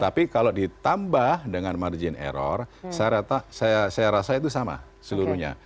tapi kalau ditambah dengan margin error saya rasa itu sama seluruhnya